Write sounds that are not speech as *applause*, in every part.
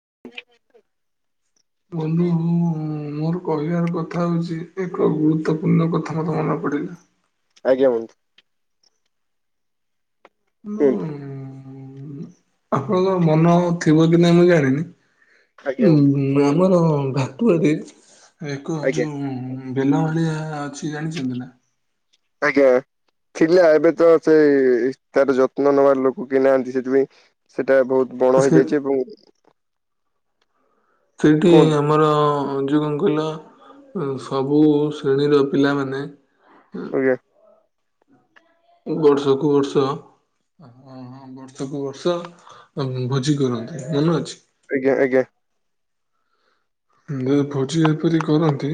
*inaudible* *unintelligible* କହିବାର କଥା ହେଉଛି ଏକ ଗୁରୁତ୍ୱପୂର୍ଣ୍ଣ କଥା ମୋତେ ମନେ ପଡ଼ିଲା। ଆଜ୍ଞା ବନ୍ଧୁ। କୁହନ୍ତୁ *unintelligible* ଆପଣଙ୍କ ମନ ଥିବ କି ନାଇ ମୁଁ ଆଜ୍ଞା ଜାଣିନି ବନ୍ଧୁ ଉମ୍ ଆମର ଭାତୁଆ ଏକ ଆଜ୍ଞା ଯୋଉ ବେଲ ଭଳିଆ ଅଛି ଜାଣିଚନ୍ତି ନା। ଆଜ୍ଞା। ଥିଲା ଏବେ ତ ସେ ତାର ଯତ୍ନ ନବାର ଲୋକ କେହି ନାହାନ୍ତି ସେଥିପାଇଁ ସେ ଏଟା ବହୁତ ବଣ ସେ ହେଇଯାଇଚି ଏବଂ ସେଇଟି କୁହନ୍ତୁ ଆମର ଅ ଯଉ କଣ କହିଲ ସବୁ ଶ୍ରେଣୀର ପିଲାମାନେ ଏଁ ଆଜ୍ଞା ବର୍ଷକୁ ବର୍ଷ ହ ହଁ ବର୍ଷକୁୁ ବର୍ଷ ଭୋଜି କରନ୍ତି ମନେ ଅଛି। ଆଜ୍ଞା ଆଜ୍ଞା। ଯଦି ଭୋଜି ଏପରି କରନ୍ତି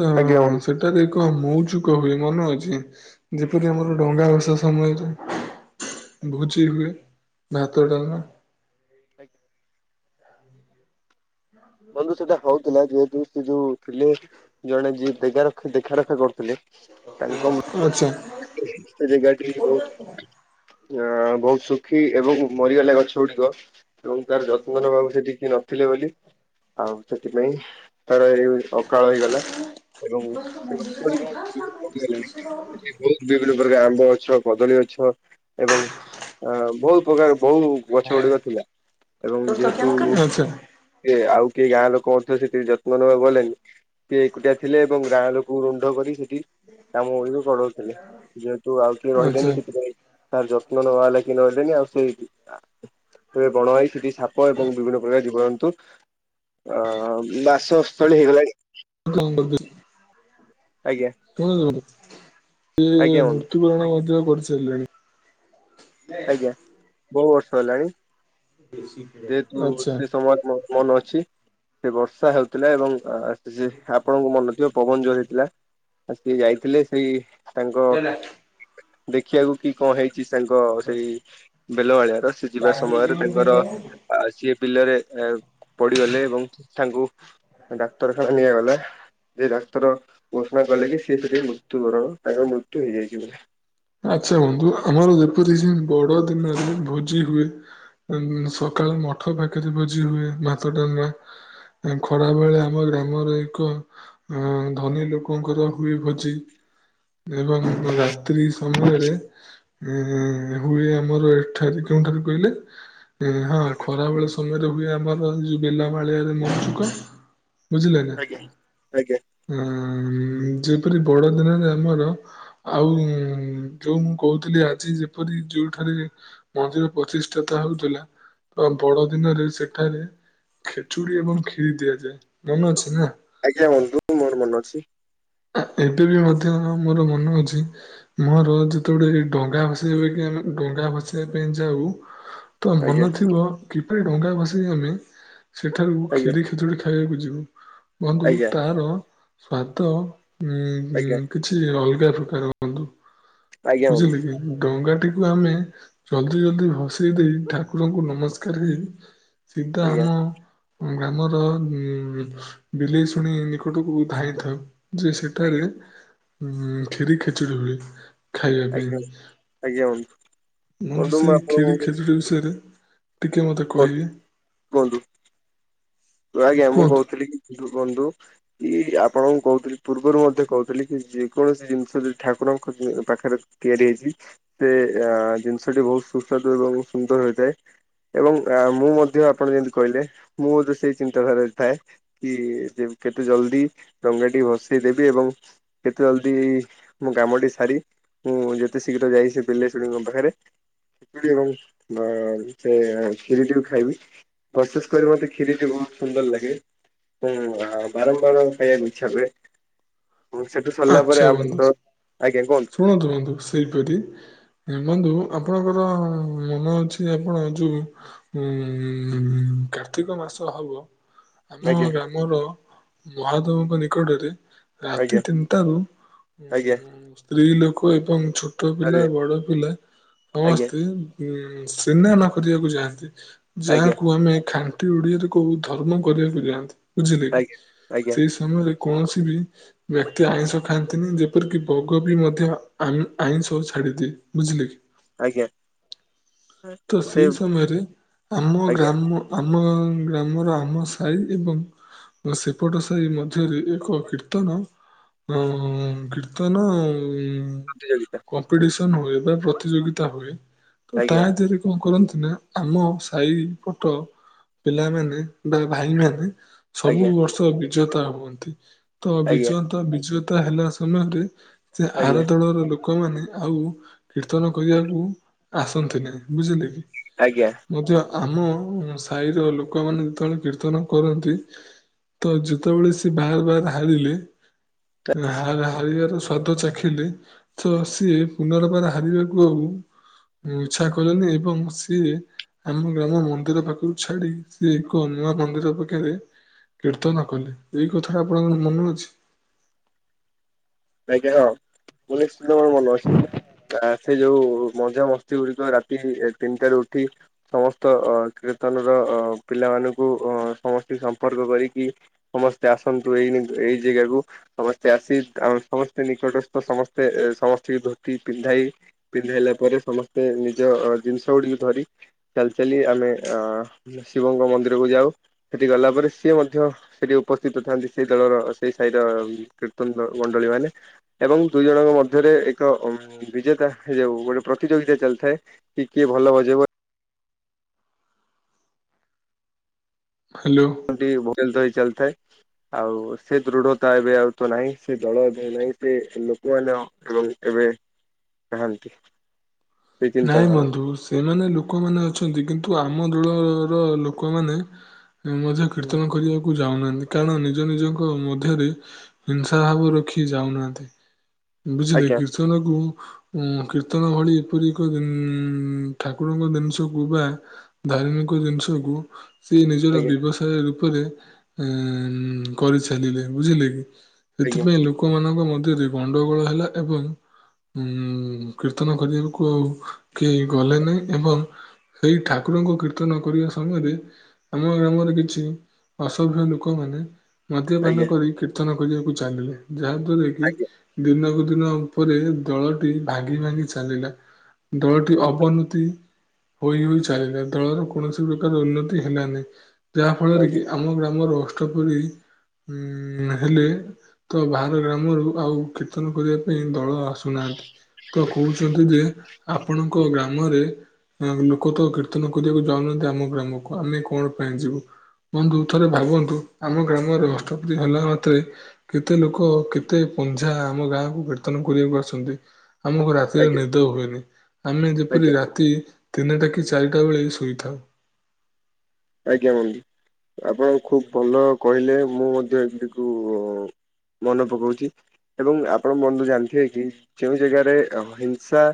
ତ ଆଜ୍ଞା ବନ୍ଧୁ। ସେଠାରେ ଏକ ମଉଜ କ‌ ହୁଏ ମନେ ଅଛି ଯେପରି ଆମର ଡଙ୍ଗା ବଷା ସମୟରେ ଆଜ୍ଞା ଭୁଜି ହୁଏ ଭାତ ଡାଳମା। ଆଜ୍ଞା ବନ୍ଧୁ ସେଟା ହଉଥିଲା ଯେହେତୁ ସେ ଯୋଉ ଥିଲେ ଜଣେ ଯିଏ ଦେଗ ଦେଖାରଖା କରୁଥିଲେ। ତାଙ୍କ ମୁ ଆଚ୍ଛା। ସେ *unintelligible* ଆଚ୍ଛା ବହୁତ ଅ ବହୁତ ଶୁଖି ଏବଂ ମରିଗଲା ଗଛ ଗୁଡିକ ଏବଂ ତାର ଯତ୍ନ ନବାକୁ ସେଠି କିଏ ଥିଲେ ବୋଲି ଆଉ ସେଥିପାଇଁ ତାର ଏଇ ଅକାଳ ହେଇଗଲା। ଏବଂ *unintelligible* ମରିଗଲାଣି ବହୁତ ବିଭିନ୍ନ ପ୍ରକାର ଆମ୍ବ ଗଛ କଦଳୀ ଗଛ ଏବଂ ବହୁତ ପ୍ରକାର ବହୁ ଗଛ ଗୁଡିକ ଥିଲା ଏବଂ ଯେହେତୁ ଆଚ୍ଛା। କି ଆଉ କିଏ ଗାଁ ଲୋକ ମଧ୍ୟ ସେଥି ଯତ୍ନ ନେବାକୁ ଗଲେନି ସିଏ ଏକୁଟିଆ ଥିଲେ ଏବଂ ଗାଁ ଲୋକ ରୁଣ୍ଡ କରିକି ଇ କାମ ଗୁଡିକୁ କରଉଥିଲେ ଯେହେତୁ ଆଉ କିଏ ରହିଲେନି ସେଥିପାଇଁ ତାର ଯତ୍ନ ନବା ହେଲା କି ନହିଲଣି ଆଉ ସେଇ ଏବେ ବଣ ହେଇ ସେଠି ସାପ ଏବଂ ବିଭିନ୍ନ ପ୍ରକାର ଜୀବ ଜନ୍ତୁ ଆ ବାସସ୍ଥଳୀ ହେଇଗଲାଣି। ଆଜ୍ଞା ଶୁଣା ଯାଉନି। ଯେ ଆଜ୍ଞା ବନ୍ଧୁ ମୃତ୍ୟୁକରଣ ଯଉ କରିସାରିଲେଣି। ଆଜ୍ଞା ବହୁ ବର୍ଷ ହେଲାଣି ଯେହେତୁ ଆଚ୍ଛା। ସେ ସମଜ ମୋ ମନ ଅଛି ସେ ବର୍ଷା ହେଉଥିଲା ଏବଂ ଆକି ଜି ଆପଣଙ୍କ ମନେଥିବ ପବନ ଯୋଉ ହେଇଥିଲା। ଆ ସିଏ ଯାଇଥିଲେ ସେଇ ତାଙ୍କ ଦେଖିବାକୁ କି କଣ ହେଇ ଛି ତାଙ୍କ ସେଇ ବେଲବାଳିଆର ସେ ଯିବା ସମୟରେ ତାଙ୍କର ଆ ସିଏ ବିଲରେ ପଡିଗଲେ ଏବଂ ତାଙ୍କୁ ଡାକ୍ତରଖାନା ନିଆଗଲା। ଯେ ଡାକ୍ତର ଘୋଷଣା କଲେ କି ସେି ସେଥିରେ ମୃତ୍ୟୁବରଣ ତାଙ୍କର ମୃତ୍ୟୁ ହେଇଯାଇଚି ପୁରା। ଆଚ୍ଛା ବନ୍ଧୁ ଆମର ଯେପରି ସେ ବଡ ଦିନ ହେଲେ ଭୋଜି ହୁଏ। ଉ ସକାଳେ ମଠ ପାଖରେ ଭୋଜି ହୁଏ ଭାତ ଡ଼ାଲ୍ମା। ଖରାା ବେଳେ ଆମ ଗ୍ରାମର ଏକ ଅ ଧନୀ ଲୋକଙ୍କର ହୁଏ ଭୋଜି। ଏବଂ ରାତ୍ରି ସମୟରେ ଉ ହୁଏ ଆମର ଏଠାରେ କଉଠାରେ କହିଲେ ହଁ ଖରାବେଳ ସମୟରେ ହୁଏ ଆମର ଏ ଯୋଉ ବେଲା ମାଳିଆରେ ମଜୁକ ବୁଝିଲେ ନା ଆଜ୍ଞା ଆଜ୍ଞା ଆ ଏପରି ବଡ ଦିନରେ ଆମର ଆଉ ଯୋଉ ମୁଁ କହୁଥିଲି ଆଜି ଯେପରି ଯୋଉଠାରେ ମନ୍ଦିର ପ୍ରତିଷ୍ଠାତା ହଉଥିଲା ବଡ ଦିନରେ ସେଠାରେ ଖେଚୁଡି ଏବଂ କ୍ଷିରି ଦିଆଯାଏ, ମନେ ଅଛି ନା? ଆଜ୍ଞା ବନ୍ଧୁ ମୋର ମନେ ଅଛି। *unintelligible* ମୋର ମନେ ଅଛି ମୋର ଯେତେବେଳେ ଡଙ୍ଗା ଭସେଇବା ପାଇଁ ଆମେ ଡଙ୍ଗା ଭସେଇିବା ପାଇଁ ଯାଉ ତ ଆଜ୍ଞା ମନେ ଥିବ କିପରି ଡଙ୍ଗା ଭସେଇ ଆମେ ସେଠାରୁ ଆଜ୍ଞା ଖିରି ଖେଚଡ଼ି ଖାଇବାକୁ ଯିବୁ। ବନ୍ଧୁ ଆଜ୍ଞା ତାର ସ୍ଵାଦ ଉ - ଉ ଆଜ୍ଞା କିଛି ଅଲଗା। *unintelligible* ବନ୍ଧୁ ଆଜ୍ଞା ବନ୍ଧୁ ବୁଝିଲେକି ଡଙ୍ଗା ଟିକୁ ଆମେ ଜଲ୍ଦି ଜଲ୍ଦି ଭସେଇ ଦେଇ ଠାକୁରଙ୍କୁ ନମସ୍କାର ହେଇ ସିଧା ଆଜ୍ଞା ଆମ ଗ୍ରାମର ଉ ବିଲେଇଶୁଣି ନିକଟକୁ ଧାଇଁଥାଉ। ଯେ ସେଠାରେ ଆଜ୍ଞା ଉଁ ଖିରି ଖେଚୁଡି ହୁଏ। ଖାଇବା ଆଜ୍ଞା। ପାଇଁ। ଆଜ୍ଞା ମୁଁ ତ ବନ୍ଧୁ ବନ୍ଧୁ ସେଇ ଖିରି ଆପଣଙ୍କୁ ଖେଚୁଡ଼ି ବିଷୟରେ ଟିକେ ମତେ କୁହନ୍ତୁ କହିବେ। କୁହନ୍ତୁ ଆଜ୍ଞା ମୁଁ କୁହନ୍ତୁ କହୁଥିଲି କି ବନ୍ଧୁ କି ଆ ଆପଣଙ୍କୁ କହୁଥିଲି ପୂର୍ବରୁ ମଧ୍ୟ କହୁଥିଲି କି ଯେକୌଣସି ଜିନିଷ ଯଦି ଠାକୁରଙ୍କ ପାଖରେ ତିଆରି ହେଇଚି ସେ ଅ ଜିନିଷଟି ବହୁତ ସୁସ୍ୱାଦୁ ଏବଂ ସୁନ୍ଦର ହୋଇଥାଏ। ଏବଂ ମୁଁ ମଧ୍ୟ ଆପଣ ଯେମିତି କହିଲେ ମୁଁ ମଧ୍ୟ ସେଇ ଚିନ୍ତାଧାରା ରେ ଥାଏ। କି କେତେ ଜଲଦି ଡଙ୍ଗାଟି ଭସେଇ ଦେବି ଏବଂ କେ ଜଲ୍ଦି ମୋ କାମଟି ସାରି। ମୁଁ ଯେତେ ଶୀଘ୍ର ଯାଇ ସେ ବିଲେଇଶୁଣି ଙ୍କ ପାଖରେ ଏବଂ ସେ କ୍ଷୀରି ଟିକୁ ଖାଇବି। ବିଶେଷ କରି ମତେ କ୍ଷିରଟି ବହୁ ସୁନ୍ଦର ଲାଗେ। ଓ ବାରମ୍ବାର ଖାଇବାକୁ ଇଛା ହୁଏ। ଏବଂ ସେଠୁ ସରିଲା ପରେ ଆଚ୍ଛା ଆମ ବନ୍ଧୁ। ତ ଆଜ୍ଞା କୁହନ୍ତୁ ଶୁଣନ୍ତୁ ବନ୍ଧୁ ସେଇପରି ଉଁ ବନ୍ଧୁ ଆପଣଙ୍କର ମନ ଅଛି ଆପଣ ଯୋଉ ଉଁ କାର୍ତ୍ତିକ ମାସ ହବ। ଆମ ଆଜ୍ଞା ଗ୍ରାମର ମହାଦେବଙ୍କ ନିକଟରେ ରାତି ଆଜ୍ଞା ତିନି ଟାରୁ ଆଜ୍ଞା ଉଁ ସ୍ତ୍ରୀ ଲୋକ ଏବଂ ଛୋଟ ପିଲା ଆଜ୍ଞା ବଡ଼ ପିଲା ଆଜ୍ଞା ସମସ୍ତେ ଉଁ ସିନାନ କରିବାକୁ ଯାଆନ୍ତି। ଆଜ୍ଞା ଯାହାକୁ ଆମେ ଖା ଣ୍ଟି ଓଡ଼ିଆରେ କହୁ ଧର୍ମ କରିବାକୁ ଯାଆନ୍ତି ବୁଝିଲେ କି। ଆଜ୍ଞା। ଆଜ୍ଞା ସେଇ ସମୟରେ କୌଣସି ବି ବ୍ୟକ୍ତି ଆଇଁଷ ଖାଆନ୍ତିନି। ଯେପରିକି ବଗ ବି ମଧ୍ୟ ଆଇଁ ଆଇଁଷ ଛାଡ଼ି ଦିଏ। ବୁଝିଲ କି? ଆଜ୍ଞା। ତ ସେ ସେଇ ସମୟରେ ଆମ ଆଜ୍ଞା ଗ୍ରାମ ଆମ ଗ୍ରାମର ଆମ ସାହି ଏବଂ ସେପଟ ସାହି ମଧ୍ୟରେ ଏକ କୀର୍ତ୍ତନ ଅ କୀର୍ତ୍ତନ ଉଁ ପ୍ରତିଯୋଗିତା କମ୍ପିଟିସନ ହୁଏ ବା ପ୍ରତିଯୋଗିତା ହୁଏ ତା ଆଜ୍ଞା ଦେହରେ କଣ କରନ୍ତି ନା ଆମ ସାହି ପଟ ପିଲାମାନେ ବା ଭାଇମାନେ ସବୁ ଆଜ୍ଞା ବର୍ଷ ବିଜେତା ହୁଅନ୍ତି। ତ ଆଜ୍ଞା ବିଜତା ବିଜେତା ହେଲା ସମୟରେ ସେ ଆର ଆଜ୍ଞା ଦଳର ଲୋକମାନେ ଆଉ କୀର୍ତ୍ତନ କରିବାକୁ ଆସନ୍ତିନି। ବୁଝିଲେ କି? ଆଜ୍ଞା। ଆମ ସାହିର ଲୋକମାନେ ଯେତେବେଳେ କୀର୍ତ୍ତନ କରନ୍ତି ତ ଯେତେବେଳେ ସେ ବାର ବାର ହାରିଲେ ହା ହାର ହାରିବାର ସ୍ଵାଦ ଚାଖିଲେ ତ ଆଜ୍ଞା ସିଏ ପୁନର ବାର ହାରିବାକୁ ଆଉ ଇଚ୍ଛା କଲେନି ଏବଂ ସିଏ ଆମ ଗ୍ରାମ ମନ୍ଦିର ପାଖକୁ ଛାଡ଼ି ସିଏ ଏକ ନୂଆ ମନ୍ଦିର ପାଖେ ରେ କୀର୍ତ୍ତନ କଲେ। ଏଇ କଥାଟା ଆପଣଙ୍କର ମନେ ଅଛି? ଆଜ୍ଞା ହଁ। *unintelligible* ମୋର ମନେ ଅଛି। ସେ ଯୋଉ ମଝା ମସ୍ତି ଗୁଡ଼ିକ ରାତି ତିନିଟାରୁ ଉଠି ସମସ୍ତ ଅ କୀର୍ତ୍ତନ ର ଅ ପିଲାମାନଙ୍କୁ ସମସ୍ତେ ସମ୍ପର୍କ କରିକି ସମସ୍ତେ ଆସନ୍ତୁ ଏଇ ଏଇ ଜା ଗା କୁ ସମସ୍ତେ ଆସି ତା ସମସ୍ତେ ନିକଟସ୍ଥ ସମସ୍ତେ ସମସ୍ତଙ୍କୁ ଧୋତି ପିନ୍ଧାଇ, ପିନ୍ଧାଇଲା ପରେ ସମସ୍ତେ ନିଜ ଜିନିଷ ଗୁଡ଼ିକୁ ଧରି ଚାଲି ଚାଲି ଆମେ ଆ ଶିବଙ୍କ ମନ୍ଦିରକୁ ଯାଉ। ସେଠି ଗଲା ପରେ ସିଏ ମଧ୍ୟ ସେଠି ଉପସ୍ଥିତ ଥାନ୍ତି ସେଇ ଦଳର ସେଇ ସାହିର କୀର୍ତ୍ତନ ଦଳ ମଣ୍ଡଳୀମାନେ। ଏବଂ ଦୁଇ ଜଣଙ୍କ ମଧ୍ୟରେ ଏକ ଉଁ ବିଜେତା ଯୋଉ ଗୋଟେ ପ୍ରତିଯୋଗିତା ଚାଲିଥାଏ। କି କିଏ ଭଲ ବଜେଇବ। ହ୍ୟାଲୋ *unintelligible* ଚାଲିଥାଏ ଆଉ ସେ ଦୃଢ଼ତା ଏବେ ଆଉ ତ ନାହିଁ ସେ ଦଳ ଏବେ ନାହିଁ ସେ ଲୋକମାନେ ଏବଂ ଏବେ ନାହାନ୍ତି। ସେ ନାଇଁ ଚିନ୍ତାଧାରା ବନ୍ଧୁ ସେମାନେ ଲୋକମାନେ ଅଛନ୍ତି କିନ୍ତୁ ଆ ଆମ ଦଳ ର ଲୋକମାନେ ମଧ୍ୟ କୀର୍ତ୍ତନ କରିବାକୁ ଯାଉନାହାନ୍ତି। କାରଣ ନିଜ ନିଜଙ୍କ ମଧ୍ୟରେ ହିଂସା ଭାବ ରଖି ଯାଉନାହାନ୍ତି। ବୁଝିଲେ ଆଜ୍ଞା କୀର୍ତ୍ତନ କୁ ଉଁ କୀର୍ତ୍ତନ ଭଳି ପରିକ ଠାକୁରଙ୍କ ଜିନିଷକୁ ବା ଧାର୍ମିକ ଜିନିଷକୁ ସିଏ ନିଜର ଆଜ୍ଞା ବ୍ୟବସାୟ ରୂପରେ ଉଁ କରିଚାଲିଲେ ବୁଝିଲେ କି? ଆଜ୍ଞା ସେଥିପାଇଁ ଲୋକମାନଙ୍କ ମଧ୍ୟ ଧ୍ୟ ରେ ଗଣ୍ଡଗୋଳ ହେଲା ଏବଂ ଉଁ କୀର୍ତ୍ତନ କରିବାକୁ କୁ କେହି ଗଲେନି ଏବଂ ସେଇ ଠାକୁରଙ୍କୁ କୀର୍ତ୍ତନ କରିବା ସମୟରେ ଆମ ଗ୍ରାମରେ କିଛି ଅସଭ୍ୟ ଲୋକମାନେ ମଦ୍ୟପାନ ଆଜ୍ଞା କରି କୀର୍ତ୍ତନ କରିବାକୁ ଚାଲିଲେ ଯାହା ଦ୍ଵାରା କି ଆଜ୍ଞା ଦିନକୁ ଦିନ ଉପରେ ଦଳଟି ଭାଙ୍ଗି ଭାଙ୍ଗି ଚାଲିଲା ଦଳଟି ଅବନତି ହୋଇ ହୋଇ ଚାଲିିଲା ଦଳର କୌଣସି ପ୍ରକାର ଉନ୍ନତି ହେଲାନି। ଯାହା ଫଳରେ କି ଆଜ୍ଞା ଆମ ଗ୍ରାମର ଅଷ୍ଟପରୀ ଉଁ ହେଲେ ତ ବାହାର ଗ୍ରାମରୁ ଆଉ କୀର୍ତ୍ତନ କରିବା ପାଇଁ ଦଳ ଆସୁନାହାନ୍ତି। ତ କହୁଛନ୍ତି ଯେ ଆପଣଙ୍କ ଗ୍ରାମରେ ଲୋକ ତ କୀର୍ତ୍ତନ କରିବାକୁ ଯାଉନାହାନ୍ତି ଆମ ଗ୍ରାମକୁ ଆମେ କଣ ପାଇଁ ଯିବୁ। ବନ୍ଧୁ ଥରେ ଭାବନ୍ତୁ ଆମ ଗ୍ରାମରେ ଅଷ୍ଟପରି ହେଲା ମାତ୍ରେ କେତେ ଲୋକ କେତେ ପଞ୍ଝା ଆମ ଗାଁକୁ କୀର୍ତ୍ତନ କରିବାକୁ ଆସନ୍ତି। ଆମକୁ ରାତିରେ ଆଜ୍ଞା ନିଦ ହୁଏନି ଆମେ ଆଜ୍ଞା ଯେପରି ରାତି ତିନିଟା କି ଚାରିଟା ବେଳେ ଶୋଇଥାଉ। ଆଜ୍ଞା ମୁଣ୍ଡି। ଆପଣ ଖୁବ ଭଲ କହିଲେ ମୁଁ ମଧ୍ୟ ଏଗୁଡିକୁ ମନେ ପକାଉଛି ଏବଂ ଆପଣ ବନ୍ଧୁ ଜାଣିଥିବେ କି ଯେଁଉ ଜାଗାରେ ହିଂସା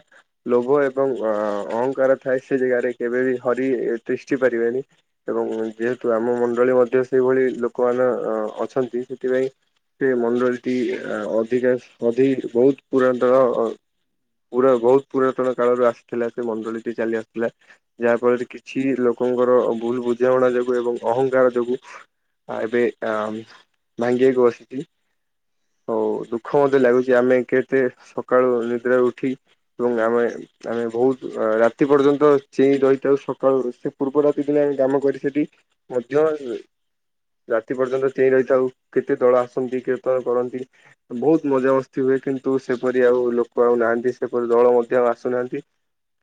ଲୋଭ ଏବଂ ଅହଙ୍କାର ଥାଏ ସେ ଜାଗାରେ କେବେ ବି ହରି ତ୍ରିଷ୍ଠି ପାରିବେନି। ଏବଂ ଯେହେତୁ ଆମ ମଣ୍ଡଳୀ ମଧ୍ୟ ସେଇଭଳି ଲୋକମାନେ ଅଛନ୍ତି ସେଥିପାଇଁ ସେ ମଣ୍ଡଳୀଟି ଅଧିକା ଅଧିକ ବହୁତ ପୁରାତନ ପୁରା ବହୁତ ପୁରାତନ କାଳରୁ ଆସିଥିଲା ସେ ମଣ୍ଡଳୀଟି ଚାଲି ଆସିଥିଲା ଯାହା ଫଳରେ କିଛି ଲୋକ ଲୋକଙ୍କର ଭୁଲ ବୁଝାମଣା ଯୋଗୁ ଏବଂ ଅହଂଙ୍କାର ଯୋଗୁ ଆ ଏବେ ଆ ଭାଙ୍ଗିବାକୁ ବସିଚି। ହୋଉ ଦୁଃଖ ମତେ ଲାଗୁଛି ଆମେ କେତେ ସକାଳୁ ନିଦ୍ରାରେ ଉଠି ଏବଂ ଆମେ ଆମେ ବହୁତ ରାତି ପର୍ଯ୍ୟନ୍ତ ଚେଇଁ ରହିଥାଉ ସକାଳୁ ସେ ପୂର୍ବ ରାତି ଦିନ ଆମେ କାମ କରି ସେଠି ମଧ୍ୟ ରାତି ପର୍ଯ୍ୟନ୍ତ ଚେଇଁ ରହିଥାଉ କେତେ ଦଳ ଆସନ୍ତି କୀର୍ତ୍ତନ କରନ୍ତି ବହୁତ ମଜାମସ୍ତି ହୁଏ। ବେ କିନ୍ତୁ ସେପରି ଆଉ ଲୋକ ଆଉନାହାନ୍ତି ସେପରି ଦଳ ମଧ୍ୟ ଆସୁନାହାନ୍ତି।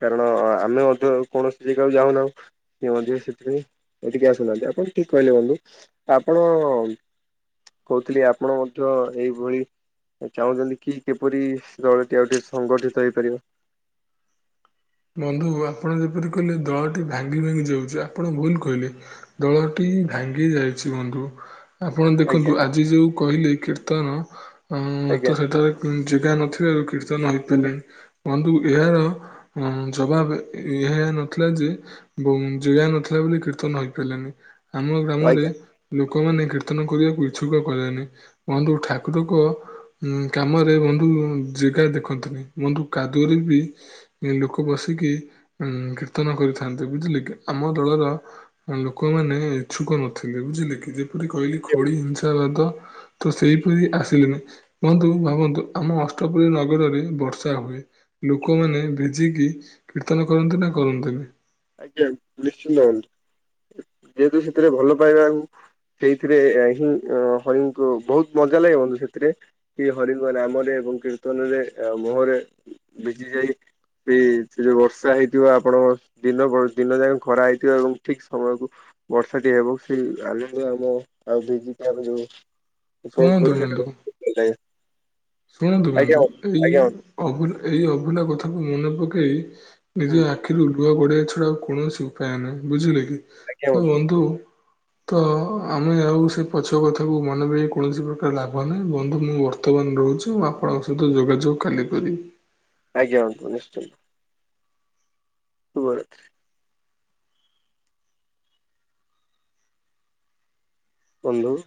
କାରଣ ଆମେ ମଧ୍ୟ କୌଣସି ଜାଗାକୁ ଯାଉନାହୁଁ ସେ ମଧ୍ୟ ସେଥିପାଇଁ ଏଠିକି ଆସୁନାହାନ୍ତି ଆପଣ ଠିକ୍ କହିଲେ ବନ୍ଧୁ ଆପଣ କହୁଥିଲି ଆପଣ ମଧ୍ୟ ଏଇଭଳି ଚାହୁଁଛନ୍ତି କି କିପରି ଦଳଟି ଆଉ ଟିକେ ସଂଗଠିତ ହେଇପାରିବ? *inaudible* ବନ୍ଧୁ ଆପଣ ଯେପରି କହିଲେ ଦଳଟି ଭାଙ୍ଗିଭାଙ୍ଗି ଯାଉଛି ଆପଣ ଭୁଲ କହିଲେ ଦଳଟି ଭାଙ୍ଗି ଯାଇଛି ବନ୍ଧୁ ଆପଣ ଆଜ୍ଞା ଦେଖନ୍ତୁ ଆଜି ଯୋଉ କହିଲେ କୀର୍ତ୍ତନ ଅ ଆଜ୍ଞା ତ ସେଠାରେ ଜେଗା ନଥିଲା ଆଉ କୀର୍ତ୍ତନ ହେଇପାରିଲେଣି ବନ୍ଧୁ ଏହାର ଅ ଜବାବ ଏହା ନଥିଲା ଯେ ଜେଗା ନଥିଲା ବୋଲି କୀର୍ତ୍ତନ ହେଇପାରିଲାନି। ଆମ ଗ୍ରାମରେ ଆଜ୍ଞା ଲୋକ ଲୋକମାନେ କୀର୍ତ୍ତନ କରିବାକୁ ଇଛୁକ କଲେନି ବନ୍ଧୁ ଠାକୁରକ ଉଁ କାମରେ ବନ୍ଧୁ ଜାଗା ଦେଖନ୍ତିନି ବନ୍ଧୁ କାଦୁଅରେ ବି ଉଁ ଲୋକୋ ବସିକି ଉଁ କୀର୍ତ୍ତନ କରିଥାନ୍ତେ ବୁଝିଲେ କି ଆମ ଦଳର ଉଁ ଲୋକୋ ମାନେ ଇଛୁକ ନଥିଲେ ବୁଝିଲେ କି ଯେପରି କହିଲି ଖୋଡି ହିଂସାବାଦ ତ ସେଇପରି ଆସିଲେନି ବନ୍ଧୁ ଭାବନ୍ତୁ ଆମ ଅଷ୍ଟପରି ନଗରରେ ବର୍ଷା ହୁଏ। ଲୋକୋମାନେ ଭିଜିକି କୀର୍ତ୍ତନ କରନ୍ତି ନା କରନ୍ତିନି? ଆଜ୍ଞା ନିଶ୍ଚିନ୍ତ ହୁଅନ୍ତି ଯେହେତୁ ସେଥିରେ ଭଲ ପାଇବାକୁ ସେଇଥିରେ ହିଁ ହରିଙ୍କୁ ବୋହୁତ ମଜା ଲାଗେ ବନ୍ଧୁ ସେଥିରେ କି ହରିଙ୍କ ନାମରେ ଏବଂ କୀର୍ତ୍ତନରେ ଏଁ ମୋହୋରେ ଭିଜି ଯାଇ ବି ସେ ଯୋଉ ବର୍ଷା ହେଇଥିବ ଆପଣଙ୍କର ଦିନ ଗଣ ଦିନ ଯାକ ଖରା ହେଇଥିବ ଏବଂ ଠିକ ସମୟକୁ ବର୍ଷାଟି ହେବ ସେଇ ଆନନ୍ଦ ଆମ ଶୁଣନ୍ତୁ ବନ୍ଧୁ *unintelligible* ଶୁଣନ୍ତୁ ଆଜ୍ଞା ବନ୍ଧୁ ଏଇ ଆଜ୍ଞା ବନ୍ଧୁ ହୁଁ ଅଭୁଲା ଏଇ ଅଭୁଲା କଥାକୁ ମନେ ପକେଇ। ନିଜ ଆଖିରୁ ଲୁହ ଗଢେଇବା ଛଡା ଆଉ କୌଣସି ଉପାୟ ନାହିଁ ବୁଝିଲେ କି। ତ ବନ୍ଧୁ। ତ ଆମେ ଆଉ ସେ ପଛ କଥାକୁ ମନେ ପକେଇ କୌଣସି ପ୍ରକାର ଲାଭ ନାହିଁ ବନ୍ଧୁ ମୁଁ ବର୍ତ୍ତମାନ ରୋହୁ ଛି ମୁଁ ଆପଣଙ୍କ ସହିତ ଯୋଗାଯୋଗ କାଲି କରିବି। ଆଜ୍ଞା ବନ୍ଧୁ ନିଶ୍ଚିନ୍ତ। ଶୁଭରାତ୍ରି। ବନ୍ଧୁ।